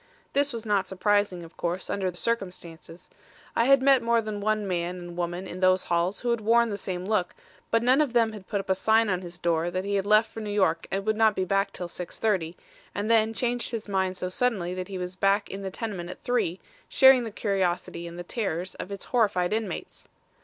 This was not surprising, of course, under the circumstances. I had met more than one man and woman in those halls who had worn the same look; but none of them had put up a sign on his door that he had left for New York and would not be back till 6:30, and then changed his mind so suddenly that he was back in the tenement at three, sharing the curiosity and the terrors of its horrified inmates.